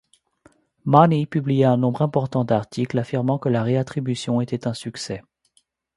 Money publia un nombre important d'articles affirmant que la réattribution était un succès.